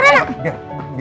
biar saya cek aja